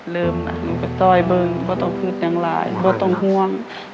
เริ่มก็ต้อยเบิ้งไม่ต้องคืนอย่างร้ายไม่ต้องห่วง